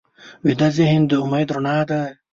ویده ذهن د امید رڼا ده